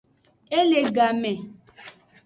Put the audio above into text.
E le kame.